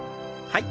はい。